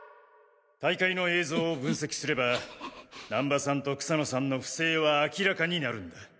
大会の映像を分析すれば難波さんと草野さんの不正は明らかになるんだ。